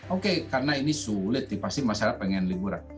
oke karena ini sulit nih pasti masyarakat pengen liburan